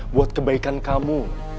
buat kebaikan kamu